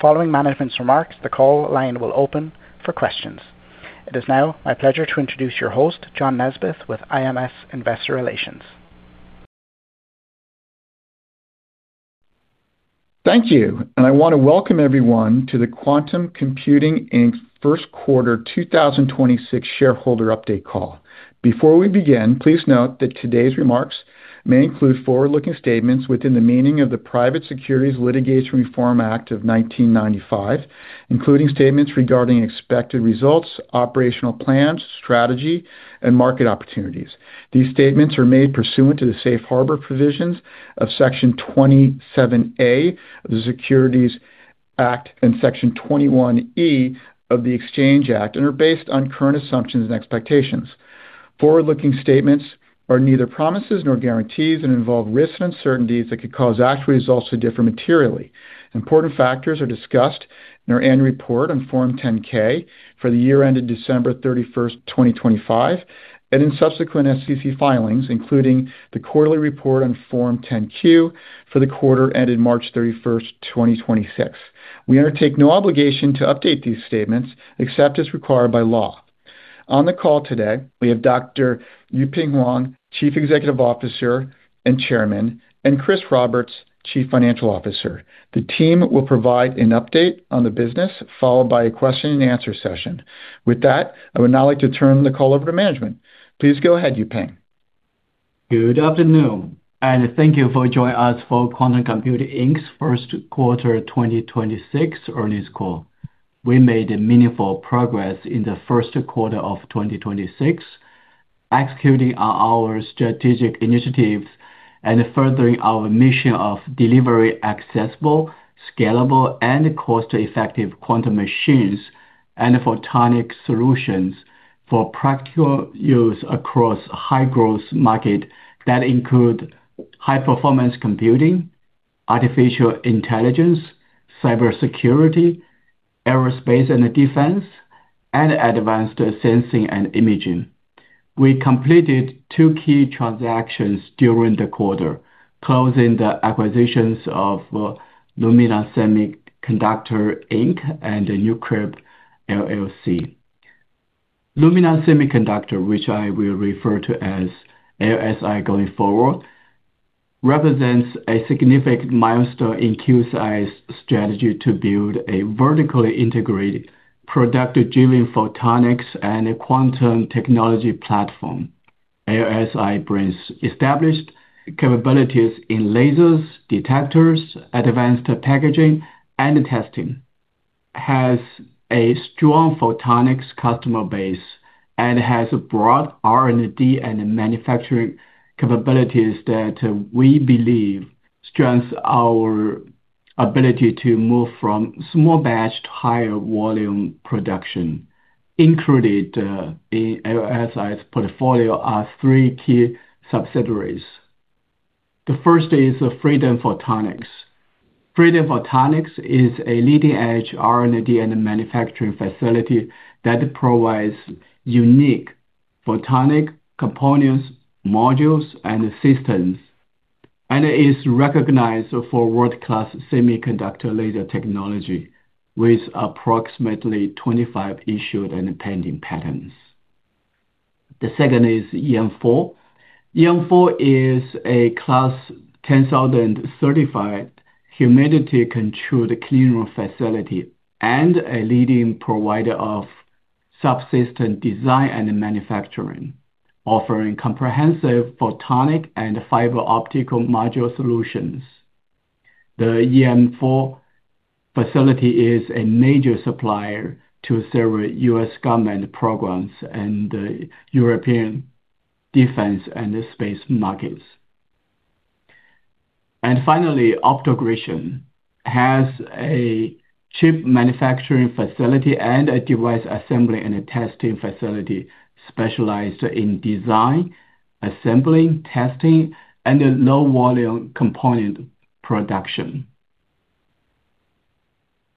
Following management's remarks, the call line will open for questions. It is now my pleasure to introduce your host, John Nesbett, with IMS Investor Relations. Thank you. I want to welcome everyone to the Quantum Computing Inc.'s first quarter 2026 shareholder update call. Before we begin, please note that today's remarks may include forward-looking statements within the meaning of the Private Securities Litigation Reform Act of 1995, including statements regarding expected results, operational plans, strategy, and market opportunities. These statements are made pursuant to the safe harbor provisions of Section 27A of the Securities Act and Section 21E of the Exchange Act and are based on current assumptions and expectations. Forward-looking statements are neither promises nor guarantees and involve risks and uncertainties that could cause actual results to differ materially. Important factors are discussed in our annual report on Form 10-K for the year ended December 31, 2025, and in subsequent SEC filings, including the quarterly report on Form 10-Q for the quarter ended March 31, 2026. We undertake no obligation to update these statements except as required by law. On the call today, we have Dr. Yuping Huang, Chief Executive Officer and Chairman, and Chris Roberts, Chief Financial Officer. The team will provide an update on the business, followed by a question and answer session. With that, I would now like to turn the call over to management. Please go ahead, Yuping. Good afternoon, and thank you for joining us for Quantum Computing Inc.'s first quarter 2026 earnings call. We made meaningful progress in the first quarter of 2026, executing on our strategic initiatives and furthering our mission of delivering accessible, scalable, and cost-effective quantum machines and photonic solutions for practical use across high-growth markets that include high-performance computing, artificial intelligence, cybersecurity, aerospace and defense, and advanced sensing and imaging. We completed two key transactions during the quarter, closing the acquisitions of Luminar Semiconductor, Inc. and NuCrypt, LLC. Luminar Semiconductor, which I will refer to as LSI going forward, represents a significant milestone in QCi's strategy to build a vertically integrated, product-driven photonics and quantum technology platform. LSI brings established capabilities in lasers, detectors, advanced packaging, and testing, has a strong photonics customer base, and has broad R&D and manufacturing capabilities that we believe strengthen our ability to move from small batch to higher volume production. Included in LSI's portfolio are three key subsidiaries. The first is Freedom Photonics. Freedom Photonics is a leading-edge R&D and manufacturing facility that provides unique photonic components, modules, and systems, and is recognized for world-class semiconductor laser technology with approximately 25 issued and pending patents. The second is EM4. EM4 is a Class 10,000 certified humidity-controlled clean room facility and a leading provider of subsystem design and manufacturing, offering comprehensive photonic and fiber optical module solutions. The EM4 facility is a major supplier to several U.S. government programs and European defense and space markets. Finally, Optogration has a chip manufacturing facility and a device assembly and a testing facility specialized in design, assembly, testing, and low-volume component production.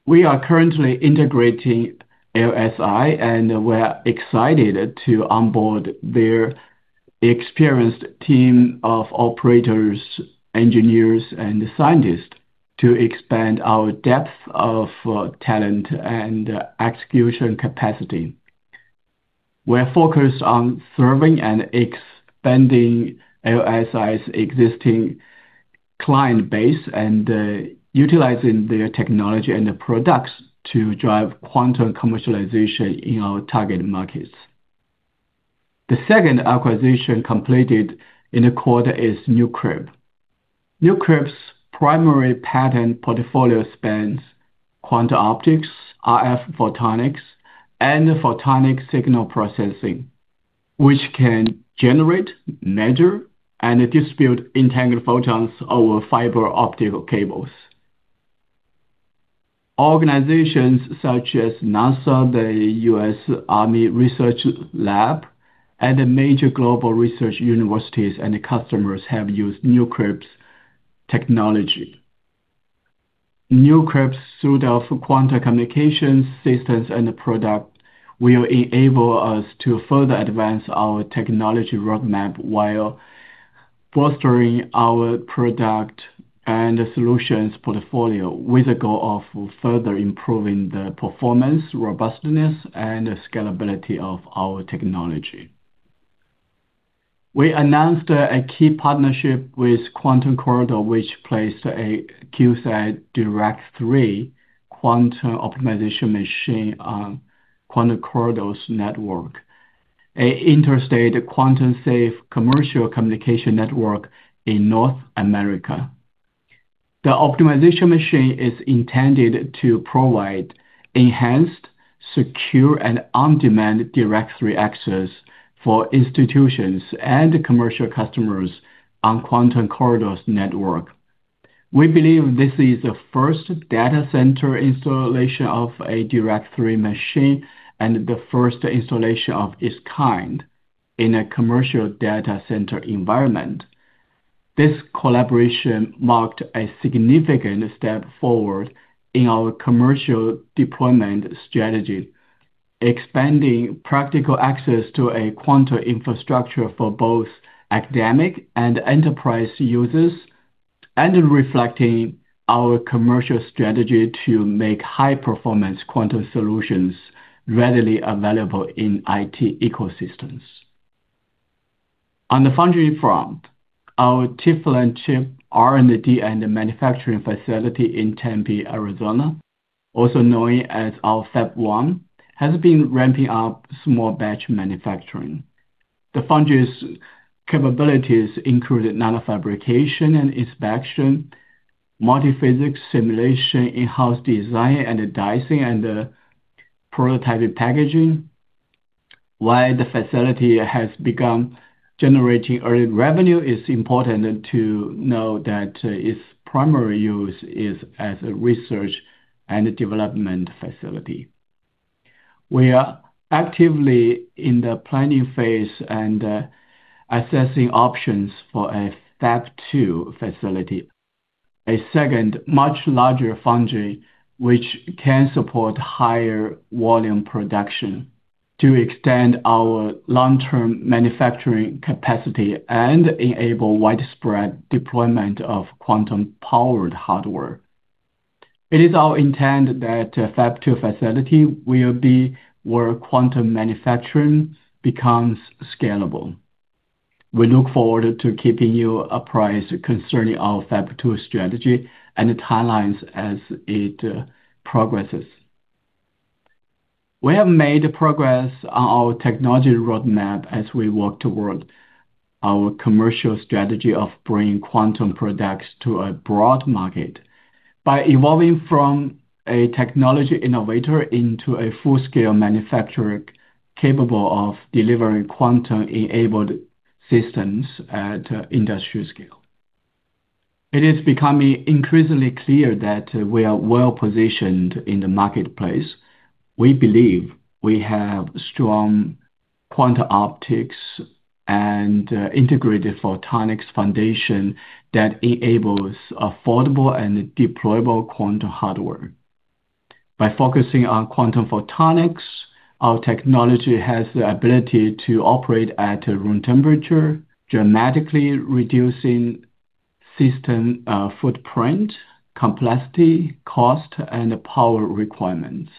We are currently integrating LSI, and we're excited to onboard their experienced team of operators, engineers, and scientists to expand our depth of talent and execution capacity. We're focused on serving and expanding LSI's existing client base and utilizing their technology and the products to drive quantum commercialization in our target markets. The second acquisition completed in the quarter is NuCrypt. NuCrypt's primary patent portfolio spans quantum optics, RF photonics, and photonic signal processing, which can generate, measure, and distribute entangled photons over fiber optical cables. Organizations such as NASA, the U.S. Army Research Lab, and major global research universities and customers have used NuCrypt's technology. NuCrypt's suite of quantum communications systems and product will enable us to further advance our technology roadmap while fostering our product and solutions portfolio with the goal of further improving the performance, robustness, and scalability of our technology. We announced a key partnership with Quantum Corridor, which placed a QCi Dirac-3 quantum optimization machine on Quantum Corridor's network, a interstate quantum safe commercial communication network in North America. The optimization machine is intended to provide enhanced, secure, and on-demand Dirac-3 access for institutions and commercial customers on Quantum Corridor's network. We believe this is the first data center installation of a Dirac-3 machine and the first installation of its kind in a commercial data center environment. This collaboration marked a significant step forward in our commercial deployment strategy, expanding practical access to a quantum infrastructure for both academic and enterprise users, and reflecting our commercial strategy to make high-performance quantum solutions readily available in IT ecosystems. On the foundry front, our Tempe thin-film chip R&D and manufacturing facility in Tempe, Arizona, also known as our Fab 1, has been ramping up small batch manufacturing. The foundry's capabilities include nanofabrication and inspection, multiphysics simulation, in-house design and dicing, and prototyping packaging. While the facility has begun generating early revenue, it is important to know that its primary use is as a research and development facility. We are actively in the planning phase and assessing options for a Fab 2 facility, a second much larger foundry which can support higher volume production to extend our long-term manufacturing capacity and enable widespread deployment of quantum-powered hardware. It is our intent that a Fab 2 facility will be where quantum manufacturing becomes scalable. We look forward to keeping you apprised concerning our Fab 2 strategy and timelines as it progresses. We have made progress on our technology roadmap as we work toward our commercial strategy of bringing quantum products to a broad market by evolving from a technology innovator into a full-scale manufacturer capable of delivering quantum-enabled systems at industry scale. It is becoming increasingly clear that we are well-positioned in the marketplace. We believe we have strong quantum optics and integrated photonics foundation that enables affordable and deployable quantum hardware. By focusing on quantum photonics, our technology has the ability to operate at room temperature, dramatically reducing system footprint, complexity, cost, and power requirements.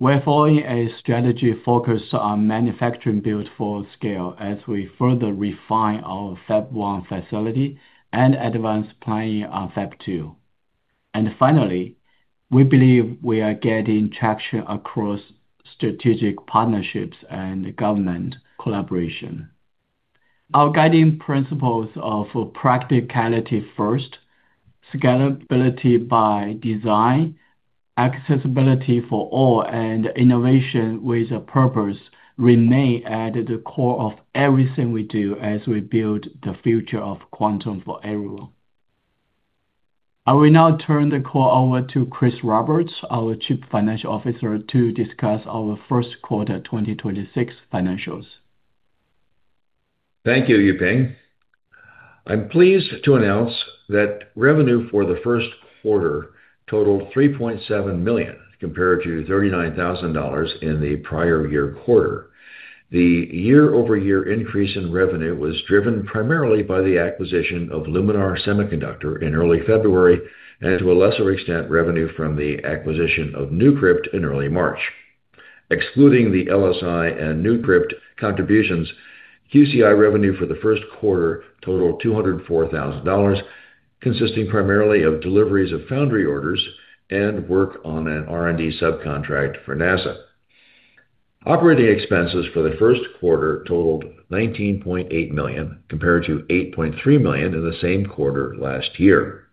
We're following a strategy focused on manufacturing built for scale as we further refine our Fab 1 facility and advance planning on Fab 2. Finally, we believe we are gaining traction across strategic partnerships and government collaboration. Our guiding principles of practicality first, scalability by design, accessibility for all, and innovation with a purpose remain at the core of everything we do as we build the future of quantum for everyone. I will now turn the call over to Chris Roberts, our Chief Financial Officer, to discuss our first quarter 2026 financials. Thank you, Yuping. I'm pleased to announce that revenue for the first quarter totaled $3.7 million, compared to $39,000 in the prior year quarter. The year-over-year increase in revenue was driven primarily by the acquisition of Luminar Semiconductor in early February and, to a lesser extent, revenue from the acquisition of NuCrypt in early March. Excluding the LSI and NuCrypt contributions, QCi revenue for the first quarter totaled $204,000, consisting primarily of deliveries of foundry orders and work on an R&D subcontract for NASA. Operating expenses for the first quarter totaled $19.8 million, compared to $8.3 million in the same quarter last year.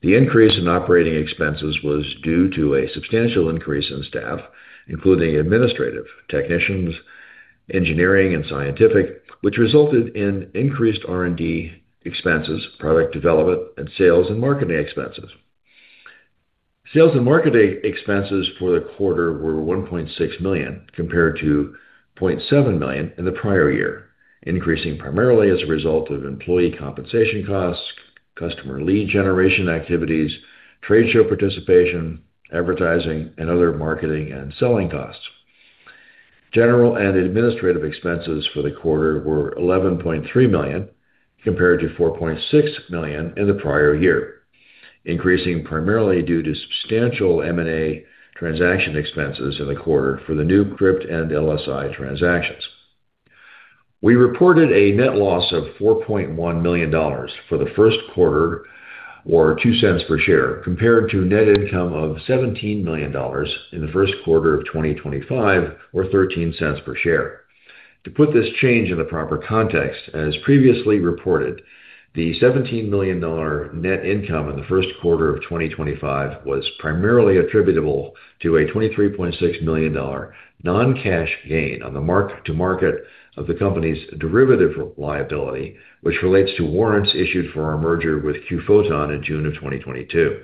The increase in operating expenses was due to a substantial increase in staff, including administrative technicians, engineering, and scientific, which resulted in increased R&D expenses, product development, and sales and marketing expenses. Sales and marketing expenses for the quarter were $1.6 million, compared to $0.7 million in the prior year, increasing primarily as a result of employee compensation costs, customer lead generation activities, trade show participation, advertising, and other marketing and selling costs. General and administrative expenses for the quarter were $11.3 million compared to $4.6 million in the prior year, increasing primarily due to substantial M&A transaction expenses in the quarter for the NuCrypt and LSI transactions. We reported a net loss of $4.1 million for the first quarter, or $0.02 per share, compared to net income of $17 million in the first quarter of 2025, or $0.13 per share. To put this change in the proper context, as previously reported, the $17 million net income in the first quarter of 2025 was primarily attributable to a $23.6 million non-cash gain on the mark-to-market of the company's derivative liability, which relates to warrants issued for our merger with QPhoton in June of 2022.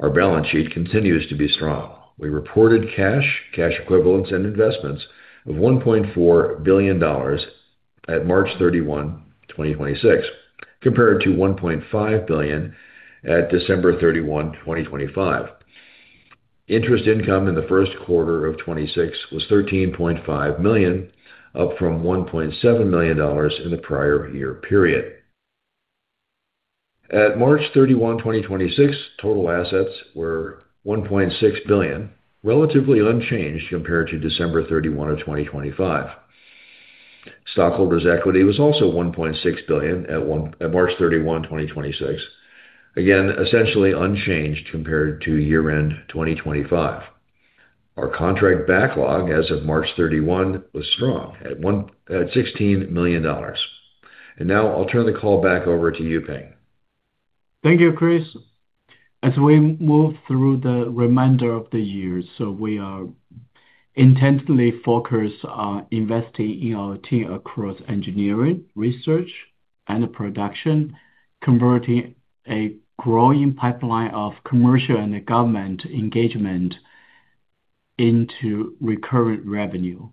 Our balance sheet continues to be strong. We reported cash equivalents and investments of $1.4 billion at March 31, 2026, compared to $1.5 billion at December 31, 2025. Interest income in the first quarter of 2026 was $13.5 million, up from $1.7 million in the prior year period. At March 31, 2026, total assets were $1.6 billion, relatively unchanged compared to December 31 of 2025. Stockholders' equity was also $1.6 billion at March 31, 2026, again, essentially unchanged compared to year-end 2025. Our contract backlog as of March 31 was strong at $16 million. Now I'll turn the call back over to Yuping. Thank you, Chris. As we move through the remainder of the year, we are intensely focused on investing in our team across engineering, research, and production, converting a growing pipeline of commercial and government engagement into recurrent revenue,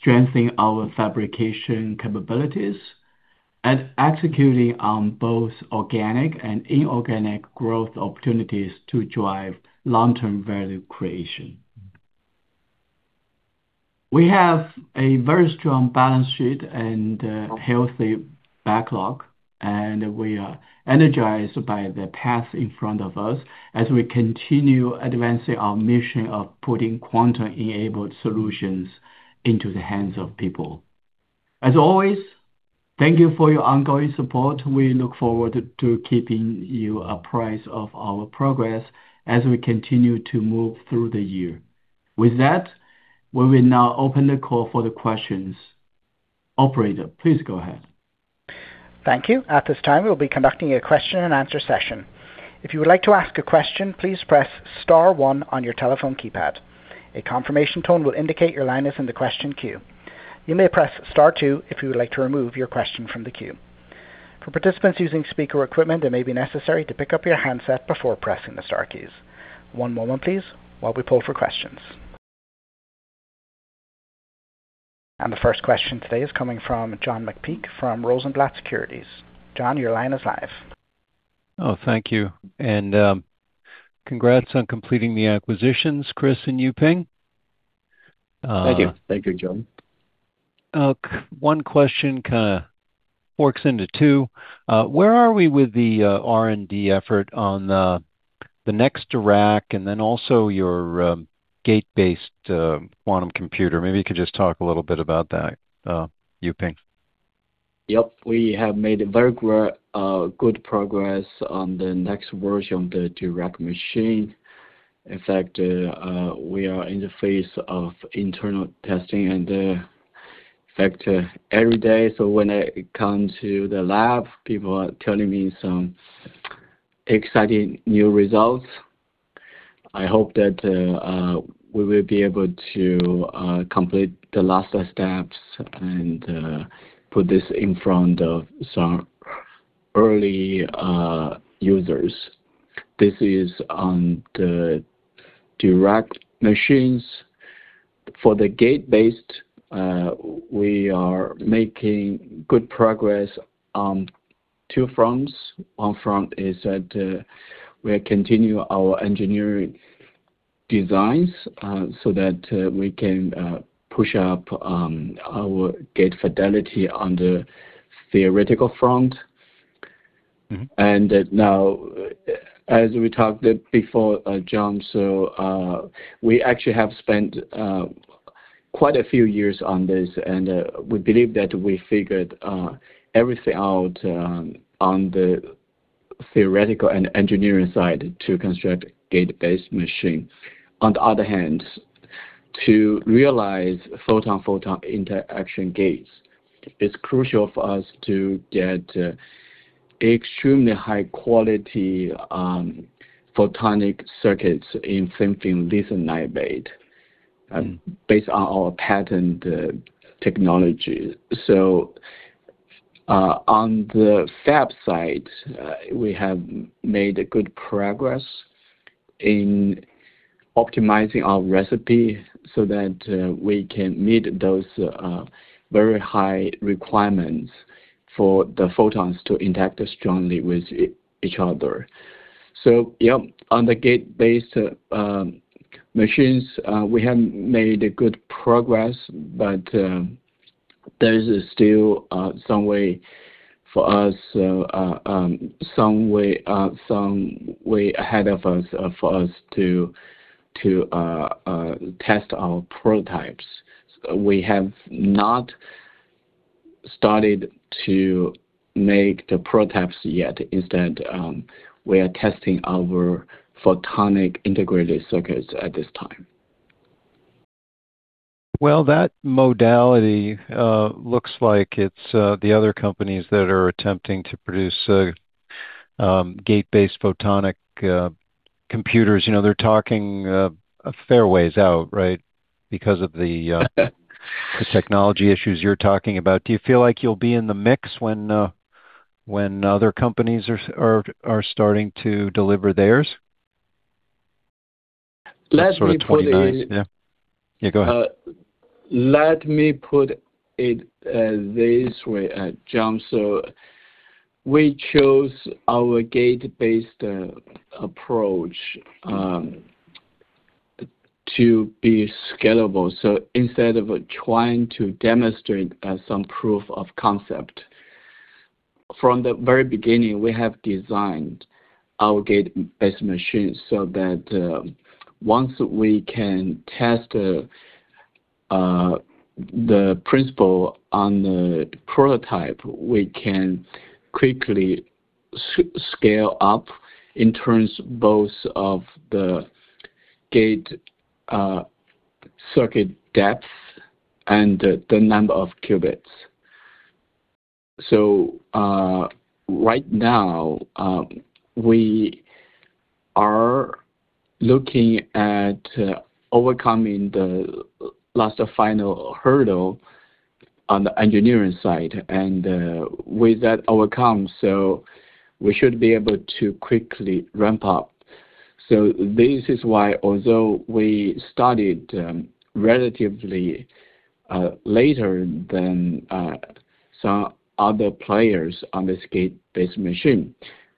strengthening our fabrication capabilities, and executing on both organic and inorganic growth opportunities to drive long-term value creation. We have a very strong balance sheet and a healthy backlog, and we are energized by the path in front of us as we continue advancing our mission of putting quantum-enabled solutions into the hands of people. As always, thank you for your ongoing support. We look forward to keeping you apprised of our progress as we continue to move through the year. With that, we will now open the call for the questions. Operator, please go ahead. Thank you. At this time, we will be conducting a question and answer session. If you would like to ask a question, please press star one on your telephone keypad. A confirmation tone will indicate your line is in the question queue. You may press star two if you would like to remove your question from the queue. For participants using speaker equipment, it may be necessary to pick up your handset before pressing the star keys. One moment, please, while we pull for questions. The first question today is coming from John McPeake from Rosenblatt Securities. John, your line is live. Oh, thank you. Congrats on completing the acquisitions, Chris and Yuping. Thank you. Thank you, John. One question kinda forks into two. Where are we with the R&D effort on the next Dirac and then also your gate-based quantum computer? Maybe you could just talk a little bit about that, Yuping. Yep. We have made very good progress on the next version of the Dirac machine. In fact, we are in the phase of internal testing and, in fact, every day. When I come to the lab, people are telling me some exciting new results. I hope that we will be able to complete the last steps and put this in front of some early users. This is on the Dirac machines. For the gate-based, we are making good progress on two fronts. One front is that we continue our engineering designs so that we can push up our gate fidelity on the theoretical front. Now, as we talked before, John, we actually have spent quite a few years on this, and we believe that we figured everything out on the theoretical and engineering side to construct gate-based machine. On the other hand, to realize photon-photon interaction gates, it's crucial for us to get extremely high quality photonic circuits in thin-film lithium niobate based on our patent technology. On the fab side, we have made good progress in optimizing our recipe so that we can meet those very high requirements for the photons to interact strongly with each other. Yeah, on the gate-based machines, we have made good progress, but there is still some way for us, some way ahead of us, for us to test our prototypes. We have not started to make the prototypes yet. Instead, we are testing our photonic integrated circuits at this time. Well, that modality looks like it's the other companies that are attempting to produce gate-based photonic computers. You know, they're talking a fair ways out, right? Because of the technology issues you're talking about. Do you feel like you'll be in the mix when other companies are starting to deliver theirs? Let me put it. Sort of 2029, yeah. Yeah, go ahead. Let me put it this way, John. We chose our gate-based approach to be scalable. Instead of trying to demonstrate some proof of concept, from the very beginning, we have designed our gate-based machines so that once we can test the principle on the prototype, we can quickly scale up in terms both of the gate circuit depth and the number of qubits. Right now, we are looking at overcoming the last or final hurdle on the engineering side. With that overcome, we should be able to quickly ramp up. This is why although we started, relatively later than some other players on this gate-based machine,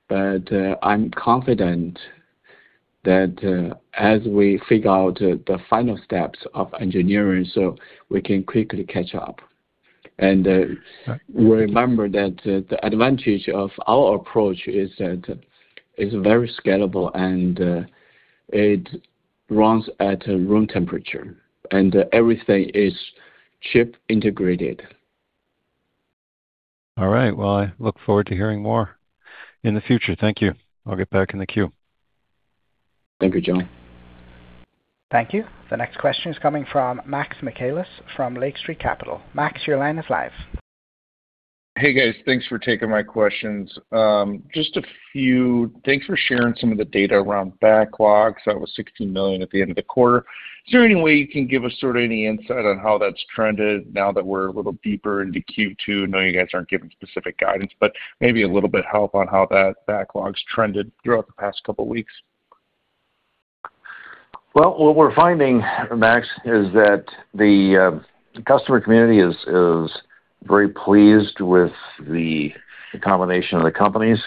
but I'm confident that as we figure out the final steps of engineering so we can quickly catch up. Right Remember that the advantage of our approach is that it's very scalable and it runs at room temperature, and everything is chip integrated. All right. Well, I look forward to hearing more in the future. Thank you. I'll get back in the queue. Thank you, John. Thank you. The next question is coming from Max Michaelis from Lake Street Capital. Max, your line is live. Hey, guys. Thanks for taking my questions. Just a few. Thanks for sharing some of the data around backlogs. That was $16 million at the end of the quarter. Is there any way you can give us sort of any insight on how that is trended now that we are a little deeper into Q2? I know you guys aren't giving specific guidance, but maybe a little bit help on how that backlog's trended throughout the past couple weeks. Well, what we're finding, Max, is that the customer community is very pleased with the combination of the companies.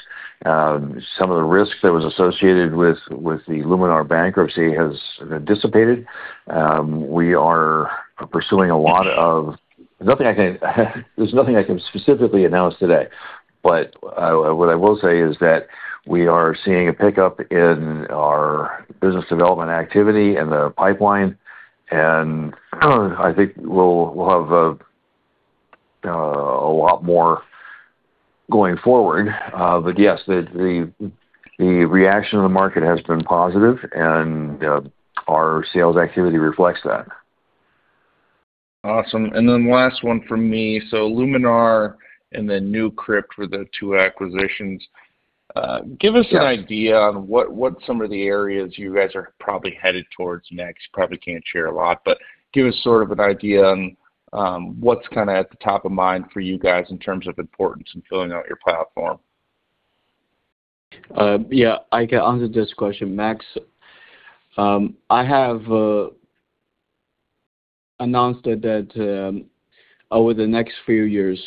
Some of the risk that was associated with the Luminar bankruptcy has dissipated. We are pursuing a lot of. There's nothing I can specifically announce today, what I will say is that we are seeing a pickup in our business development activity and the pipeline, and I think we'll have a lot more going forward. Yes, the reaction of the market has been positive, and our sales activity reflects that. Awesome. Last one from me. Luminar and then NuCrypt were the two acquisitions. Yes Give us an idea on what some of the areas you guys are probably headed towards next. You probably can't share a lot, but give us sort of an idea on what's kinda at the top of mind for you guys in terms of importance in filling out your platform. Yeah. I can answer this question, Max. I have announced that over the next few years,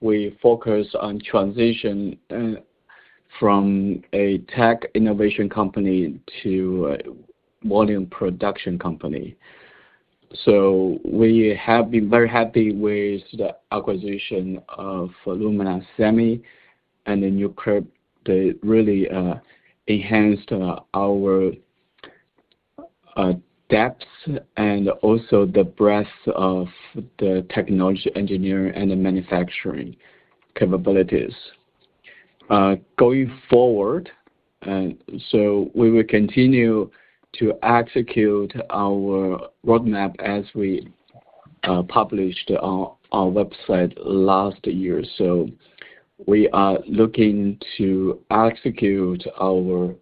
we focus on transition from a tech innovation company to a volume production company. We have been very happy with the acquisition of Luminar Semiconductor and then NuCrypt. They really enhanced our depth and also the breadth of the technology engineering and the manufacturing capabilities. Going forward, we will continue to execute our roadmap as we published on our website last year. We are looking to execute our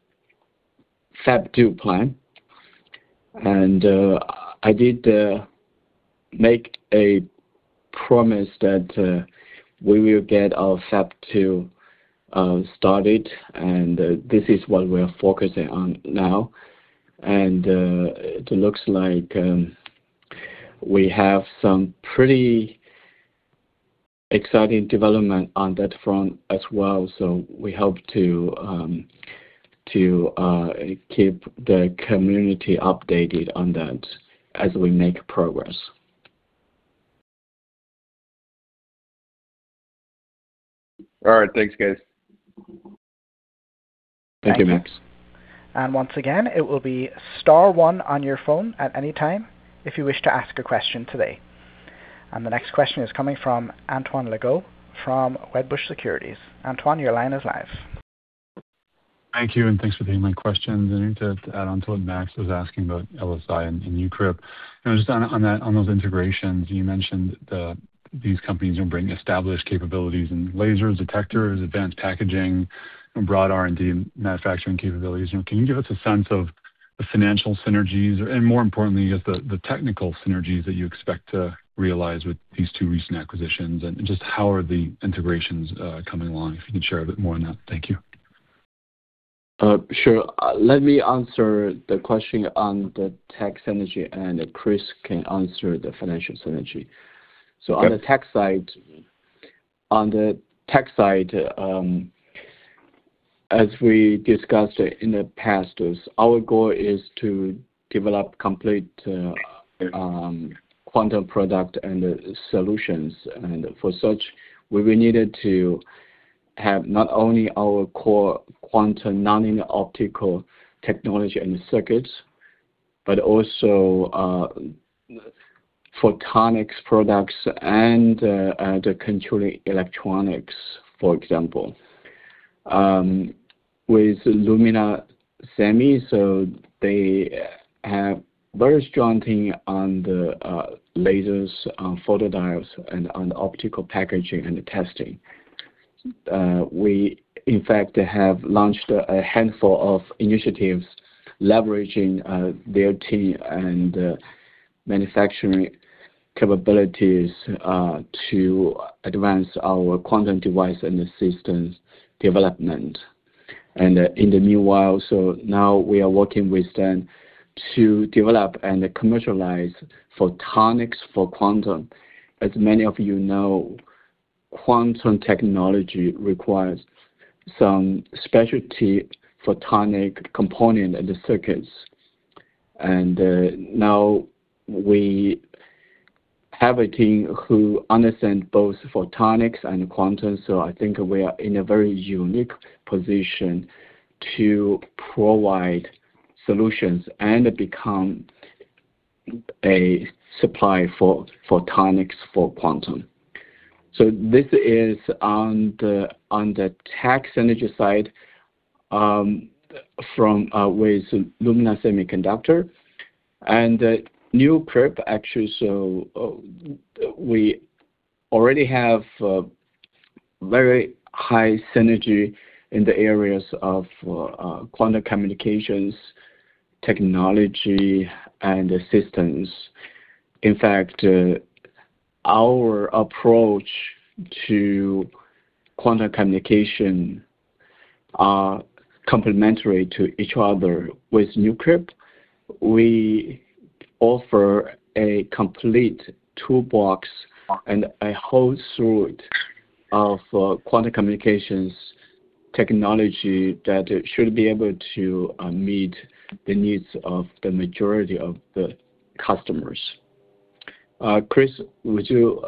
Fab 2 plan. I did make a promise that we will get our Fab 2 started, and this is what we're focusing on now. It looks like we have some pretty exciting development on that front as well, so we hope to keep the community updated on that as we make progress. All right. Thanks, guys. Thank you. Thank you, Max. Once again, it will be star one on your phone at any time if you wish to ask a question today. The next question is coming from Antoine Legault from Wedbush Securities. Antoine, your line is live. Thank you, and thanks for taking my question. To add on to what Max was asking about LSI and NuCrypt, you know, just on those integrations, you mentioned these companies, you know, bring established capabilities and lasers, detectors, advanced packaging, and broad R&D manufacturing capabilities. You know, can you give us a sense of the financial synergies and, more importantly, I guess, the technical synergies that you expect to realize with these two recent acquisitions? Just how are the integrations coming along? If you can share a bit more on that. Thank you. Sure. Let me answer the question on the tech synergy, and Chris can answer the financial synergy. Okay. On the tech side, as we discussed in the past, our goal is to develop complete quantum product and solutions. For such, we will needed to have not only our core quantum nonlinear optical technology and circuits, but also photonics products and the controlling electronics, for example. With Luminar Semi, they have very strong team on the lasers, on photodiodes, and on optical packaging and the testing. We, in fact, have launched a handful of initiatives leveraging their team and manufacturing capabilities to advance our quantum device and the systems development. In the meanwhile, now we are working with them to develop and commercialize photonics for quantum. As many of you know, quantum technology requires some specialty photonic component in the circuits. Now we have a team who understand both photonics and quantum, I think we are in a very unique position to provide solutions and become a supply for photonics for quantum. This is on the, on the tech synergy side, from with Luminar Semiconductor. NuCrypt, actually, we already have very high synergy in the areas of quantum communications technology and the systems. In fact, our approach to quantum communication are complementary to each other. With NuCrypt, we offer a complete toolbox and a whole suite of quantum communications technology that should be able to meet the needs of the majority of the customers. Chris, would you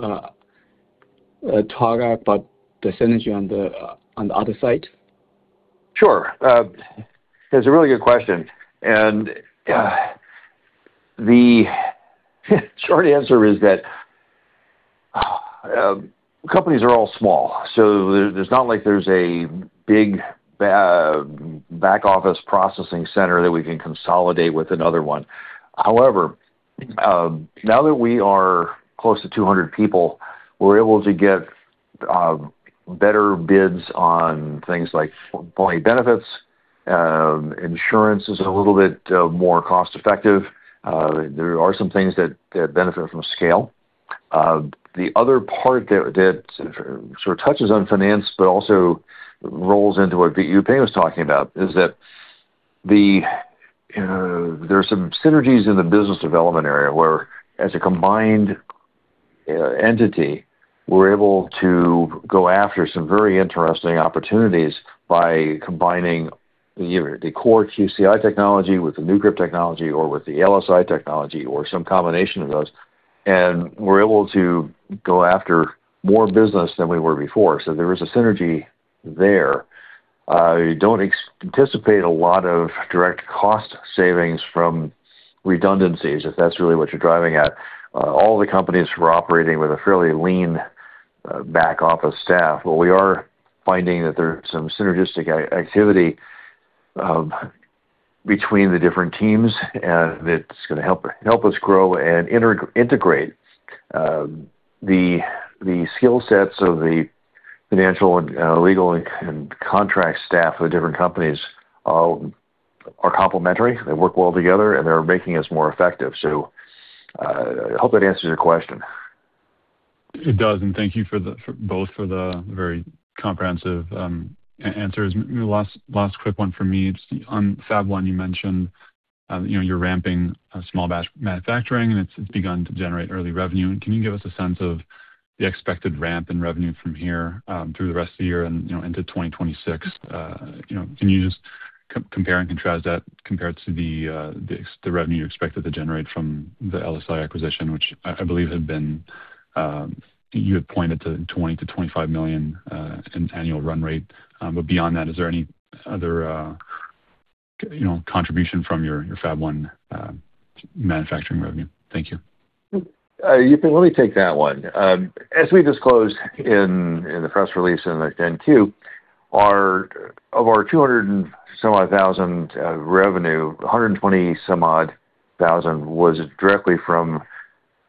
talk about the synergy on the other side? Sure. That's a really good question. The short answer is that companies are all small, so there's not like there's a big back office processing center that we can consolidate with another one. However, now that we are close to 200 people, we're able to get better bids on things like employee benefits. Insurance is a little bit more cost-effective. There are some things that benefit from scale. The other part that sort of touches on finance but also rolls into what Yuping was talking about is that the there are some synergies in the business development area, where as a combined entity, we're able to go after some very interesting opportunities by combining either the core QCi technology with the NuCrypt technology or with the LSI technology or some combination of those, and we're able to go after more business than we were before. There is a synergy there. You don't anticipate a lot of direct cost savings from redundancies, if that's really what you're driving at. All the companies were operating with a fairly lean back office staff. We are finding that there's some synergistic activity between the different teams, and it's going to help us grow and inter-integrate, the skill sets of the financial and, legal and contract staff of the different companies all are complementary. They work well together, and they're making us more effective. I hope that answers your question. It does, and thank you for the for both for the very comprehensive answers. Last quick one for me. Just on Fab 1, you know, you're ramping a small batch manufacturing and it's begun to generate early revenue. Can you give us a sense of the expected ramp in revenue from here, through the rest of the year and, you know, into 2026? You know, can you just compare and contrast that compared to the revenue you expected to generate from the LSI acquisition, which I believe had been, you had pointed to $20 million-$25 million in annual run rate. But beyond that, is there any other, you know, contribution from your Fab 1 manufacturing revenue? Thank you. Yuping, let me take that one. As we disclosed in the press release in the 10-Q, of our $200,000 some odd revenue, $120,000 some odd was directly from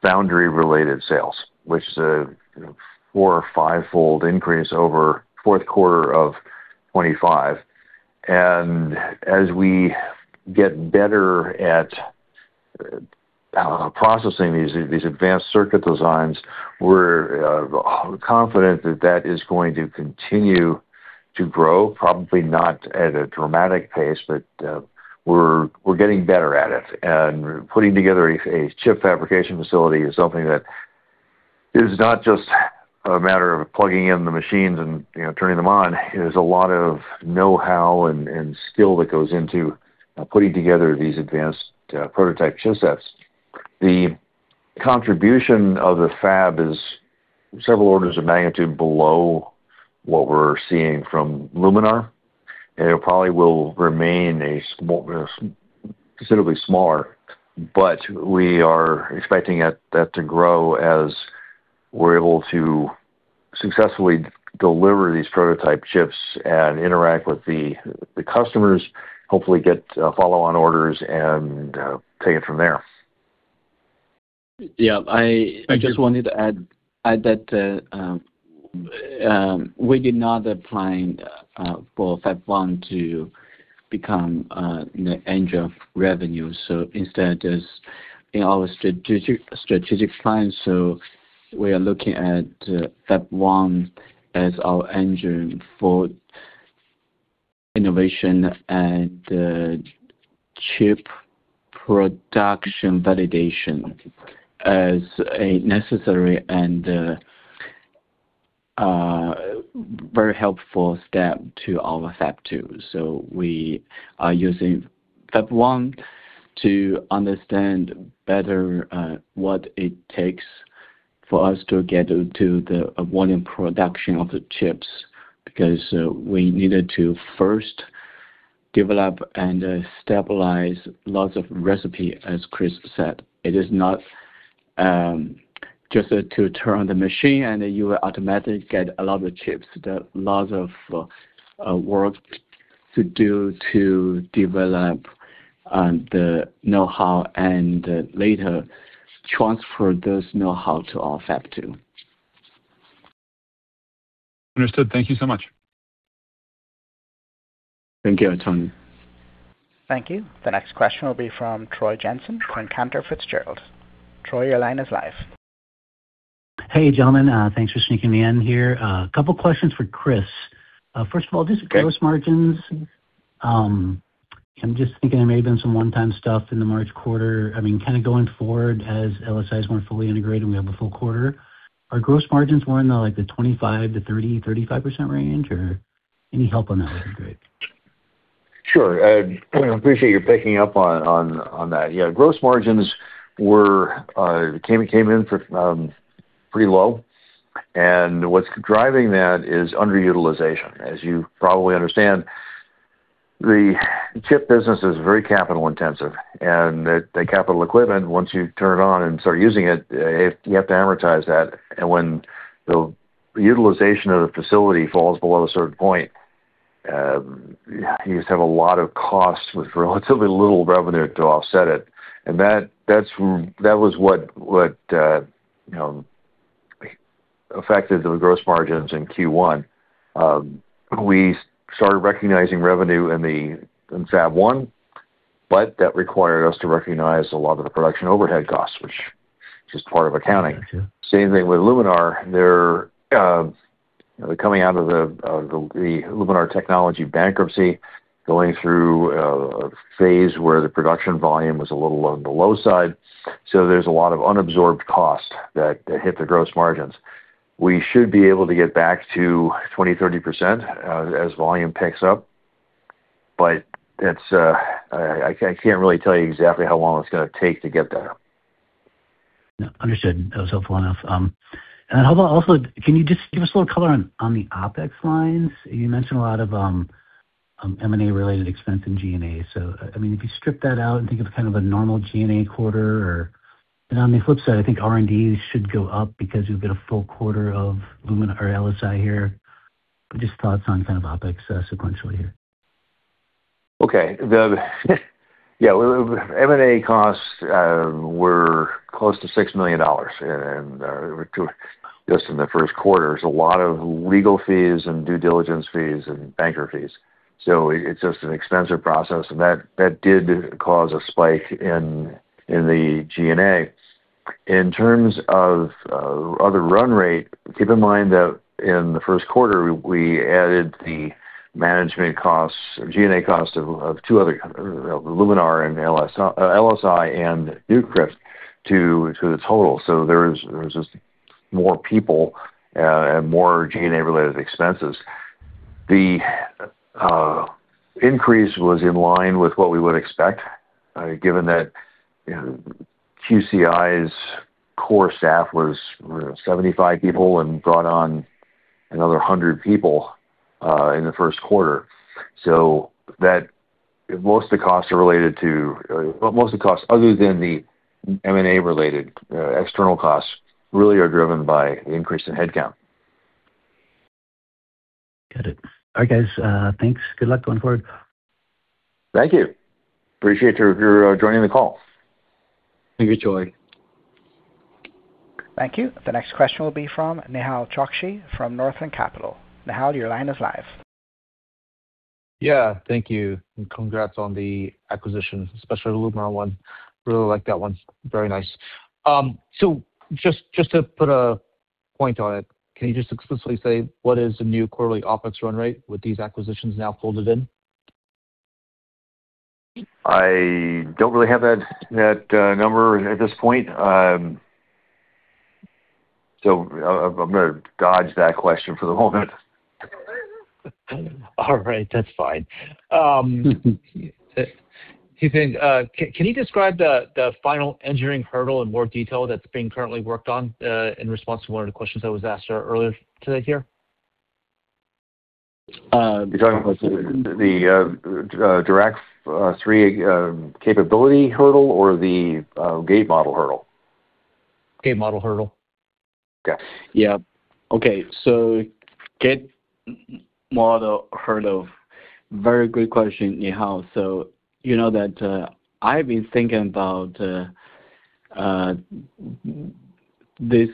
foundry-related sales, which is a four or five-fold increase over fourth quarter of 2025. As we get better at processing these advanced circuit designs, we're confident that that is going to continue to grow, probably not at a dramatic pace, but we're getting better at it. Putting together a chip fabrication facility is something that is not just a matter of plugging in the machines and, you know, turning them on. There's a lot of know-how and skill that goes into putting together these advanced prototype chipsets. The contribution of the Fab is several orders of magnitude below what we're seeing from Luminar. It probably will remain considerably smaller, we are expecting that to grow as we're able to successfully deliver these prototype chips and interact with the customers, hopefully get follow-on orders and take it from there. Yeah. Thank you. I just wanted to add that, you know, we did not plan for Fab 1 to become engine of revenue. Instead is in our strategic plan. We are looking at Fab 1 as our engine for innovation and chip production validation as a necessary and very helpful step to our Fab 2. We are using Fab 1 to understand better what it takes for us to get to the volume production of the chips, because we needed to first develop and stabilize lots of recipe, as Chris said. It is not just to turn on the machine and you will automatically get a lot of chips. There are lots of work to do to develop the know-how and later transfer this know-how to our Fab 2. Understood. Thank you so much. Thank you, Tony. Thank you. The next question will be from Troy Jensen, Cantor Fitzgerald. Troy, your line is live. Hey, gentlemen. Thanks for sneaking me in here. A couple questions for Chris. Okay. Just gross margins. I'm just thinking there may have been some one-time stuff in the March quarter. I mean, going forward as LSI is more fully integrated and we have a full quarter, are gross margins more in the 25%-35% range, or any help on that would be great? Sure. Appreciate you picking up on that. Yeah, gross margins were came in for pretty low. What's driving that is underutilization. As you probably understand, the chip business is very capital intensive, the capital equipment, once you turn it on and start using it, you have to amortize that. When the utilization of the facility falls below a certain point, you just have a lot of costs with relatively little revenue to offset it. That was what, you know, affected the gross margins in Q1. We started recognizing revenue in Fab 1, but that required us to recognize a lot of the production overhead costs, which is part of accounting. Gotcha. Same thing with Luminar. They're coming out of the Luminar Technologies bankruptcy, going through a phase where the production volume was a little on the low side. There's a lot of unabsorbed cost that hit the gross margins. We should be able to get back to 20%, 30% as volume picks up. It's, I can't really tell you exactly how long it's gonna take to get there. Understood. That was helpful enough. How about also, can you just give us a little color on the OpEx lines? You mentioned a lot of M&A related expense in G&A. I mean, if you strip that out and think of kind of a normal G&A quarter or on the flip side, I think R&D should go up because we've got a full quarter of Luminar or LSI here. Just thoughts on kind of OpEx sequentially here? The M&A costs were close to $6 million. Just in the first quarter, there's a lot of legal fees and due diligence fees and banker fees. It's just an expensive process, and that did cause a spike in the G&A. In terms of other run rate, keep in mind that in the first quarter, we added the management costs, G&A cost of two other Luminar and LSI and NuCrypt to the total. There was just more people and more G&A-related expenses. The increase was in line with what we would expect given that QCi's core staff was 75 people and brought on another 100 people in the first quarter. Most of the costs are related to, Most of the costs other than the M&A-related, external costs really are driven by the increase in headcount. Got it. All right, guys, thanks. Good luck going forward. Thank you. Appreciate your joining the call. Thank you, Troy. Thank you. The next question will be from Nehal Chokshi from Northland Capital. Nehal, your line is live. Yeah. Thank you, and congrats on the acquisition, especially the Luminar one. Really like that one. Very nice. Just to put a point on it, can you just explicitly say what is the new quarterly OpEx run rate with these acquisitions now folded in? I don't really have that number at this point. I'm gonna dodge that question for the moment. All right. That's fine. Two things. Can you describe the final engineering hurdle in more detail that's being currently worked on, in response to one of the questions that was asked earlier today here? You're talking about the Dirac-3 capability hurdle or the gate model hurdle? Gate model hurdle. Okay. Yeah. Okay. gate model hurdle, very good question, Nehal. You know that, I've been thinking about this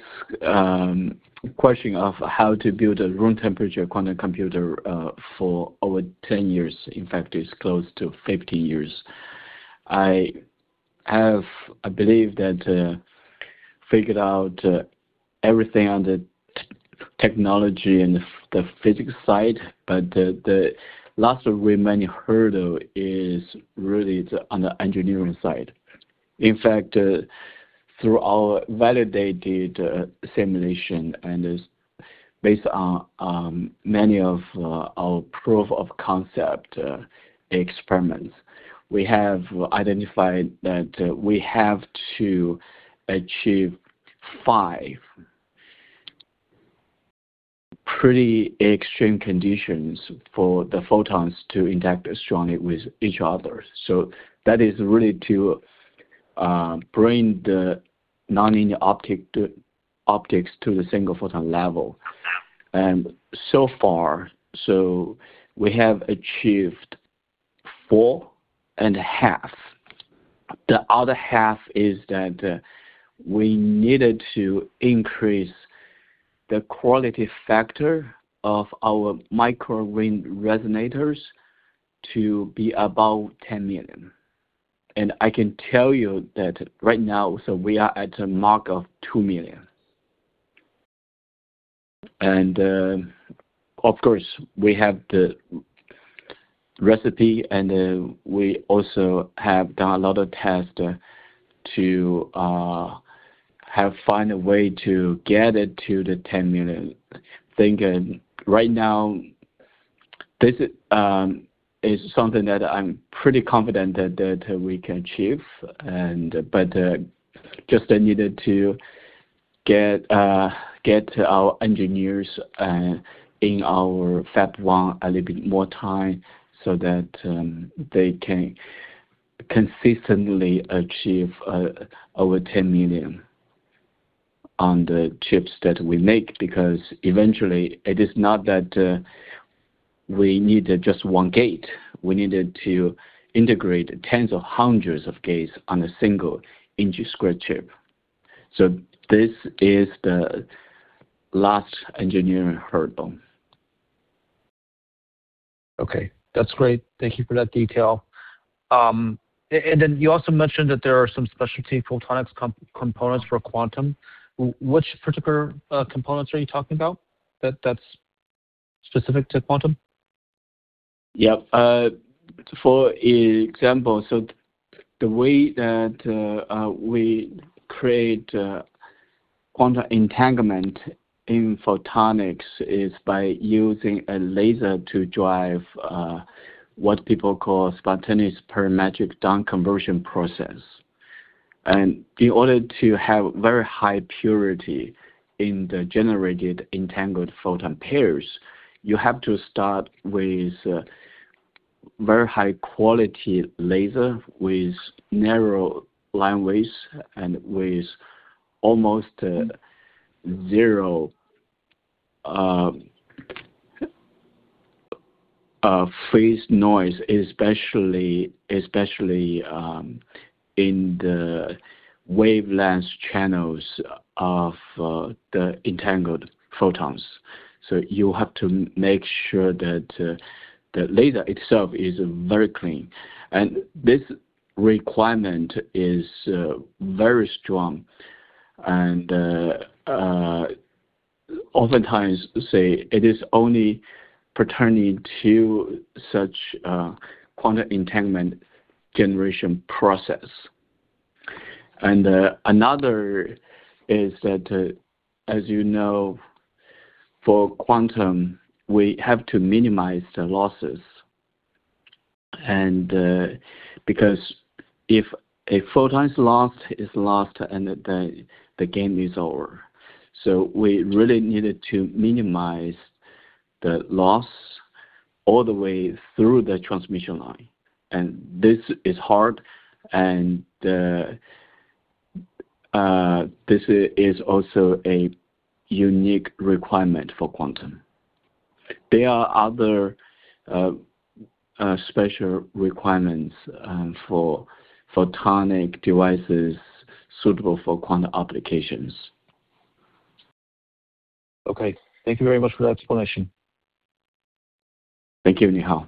question of how to build a room temperature quantum computer for over 10 years. In fact, it's close to 15 years. I believe that figured out everything on the technology and the physics side, but the last remaining hurdle is really on the engineering side. In fact, through our validated simulation and is based on many of our proof of concept experiments, we have identified that we have to achieve five pretty extreme conditions for the photons to interact strongly with each other. That is really to bring the nonlinear optics to the single photon level. So far, we have achieved 4.5. The other 1/2 is that we needed to increase the quality factor of our micro-ring resonators to be above 10 million. I can tell you that right now, so we are at a mark of 2 million. Of course, we have the recipe, and we also have done a lot of test to find a way to get it to the 10 million. Think, right now, this is something that I'm pretty confident that we can achieve. Just I needed to get our engineers in our Fab 1 a little bit more time so that they can consistently achieve over 10 million on the chips that we make. Because eventually, it is not that we needed just one gate. We needed to integrate 10s of 100s of gates on a single inch square chip. This is the last engineering hurdle. Okay. That's great. Thank you for that detail. And then you also mentioned that there are some specialty photonics components for quantum. Which particular components are you talking about that's specific to quantum? For example, the way that we create quantum entanglement in photonics is by using a laser to drive what people call spontaneous parametric down-conversion process. In order to have very high purity in the generated entangled photon pairs, you have to start with a very high quality laser, with narrow linewidths, and with almost zero phase noise, especially in the wavelength channels of the entangled photons. You have to make sure that the laser itself is very clean. This requirement is very strong and oftentimes say it is only pertaining to such quantum entanglement generation process. Another is that, as you know, for quantum, we have to minimize the losses. Because if a photon is lost, it's lost, and the game is over. We really needed to minimize the loss all the way through the transmission line. This is hard, and this is also a unique requirement for quantum. There are other special requirements for photonic devices suitable for quantum applications. Okay. Thank you very much for that explanation. Thank you, Nehal Chokshi.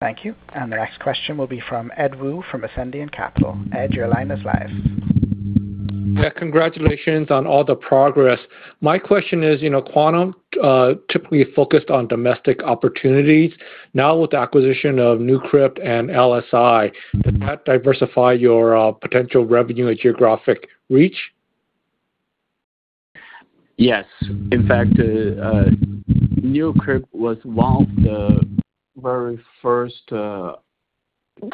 Thank you. The next question will be from Edward Woo from Ascendiant Capital. Edward, your line is live. Yeah. Congratulations on all the progress. My question is, you know, quantum typically focused on domestic opportunities. Now, with the acquisition of NuCrypt and LSI, did that diversify your potential revenue and geographic reach? Yes. NuCrypt was one of the very first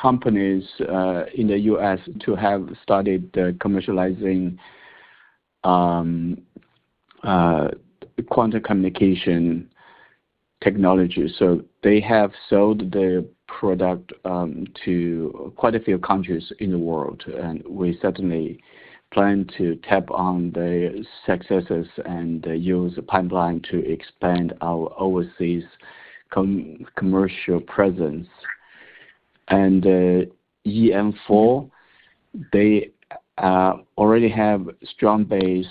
companies in the U.S. to have started commercializing quantum communication technology. They have sold their product to quite a few countries in the world, and we certainly plan to tap on the successes and use the pipeline to expand our overseas commercial presence. EM4, they already have strong base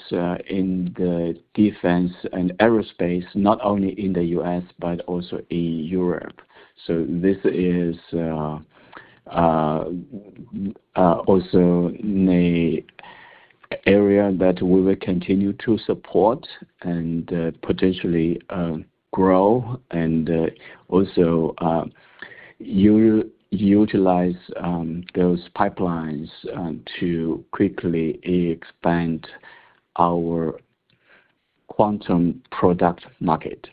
in the defense and aerospace, not only in the U.S. but also in Europe. This is also an area that we will continue to support and potentially grow and also utilize those pipelines to quickly expand our quantum product market.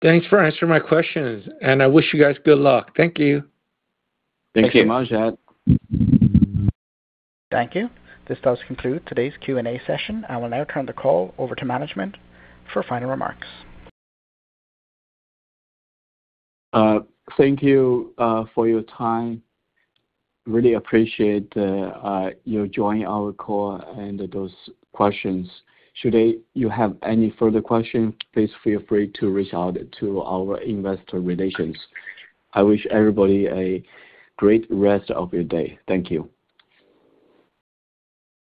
Thanks for answering my questions, and I wish you guys good luck. Thank you. Thank you. Thank you much, Ed. Thank you. This does conclude today's Q&A session. I will now turn the call over to management for final remarks. Thank you for your time. Really appreciate you joining our call and those questions. Should you have any further question, please feel free to reach out to our investor relations. I wish everybody a great rest of your day. Thank you.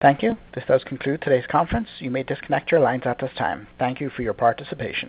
Thank you. This does conclude today's conference. You may disconnect your lines at this time. Thank you for your participation.